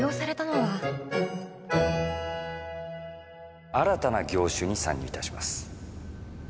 突然の新たな業種に参入いたします。